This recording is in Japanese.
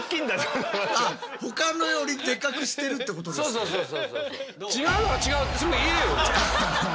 そうそうそうそう。